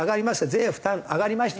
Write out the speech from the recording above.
税負担上がりました。